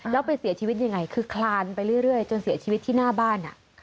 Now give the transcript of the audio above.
แล้วไปเสียชีวิตยังไงคือคลานไปเรื่อยจนเสียชีวิตที่หน้าบ้าน